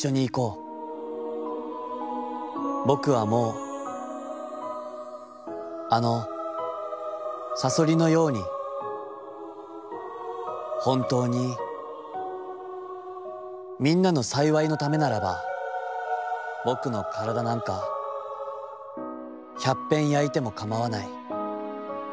僕はもうあのさそりのやうにほんたうにみんなの幸のためならば僕のからだなんか百ぺん灼いてもかまはない』。